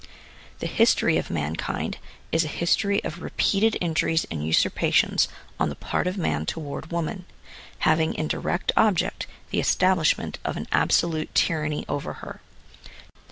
The history of mankind is a history of repeated injuries and usurpa tions on the part of man toward woman, having in direct object the estab lishment of an absolute tyranny over her.